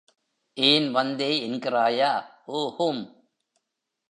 ஏன் வந்தே என்கிறாயா? ஊஹும்.